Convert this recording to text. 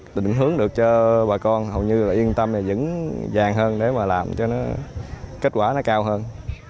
định hướng được cho bà con hầu như là yên tâm là vẫn vàng hơn để mà làm cho nó kết quả nó cao hơn